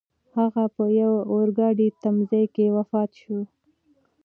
هغه په یوه اورګاډي تمځای کې وفات شو.